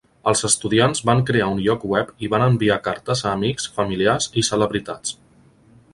Els estudiants van crear un lloc web i van enviar cartes a amics, familiars i celebritats.